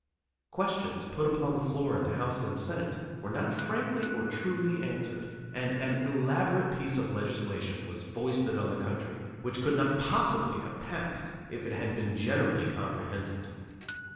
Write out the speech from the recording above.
Questions put upon the floor in the House and Senate were not frankly or truly answered, and an elaborate piece of legislation was foisted on the country which could not possibly have passed if it had been generally comprehended.